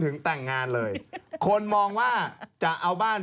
คือถามเรื่องบ้านเขาก่อน